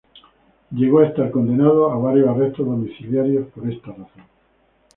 Llegó a estar condenado a varios arrestos domiciliarios por esta razón.